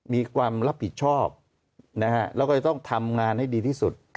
มีความรับผิดชอบแล้วก็จะต้องทำงานให้ดีที่สุด